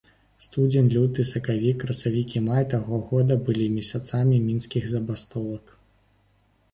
Студзень, люты, сакавік, красавік і май таго года былі месяцамі мінскіх забастовак.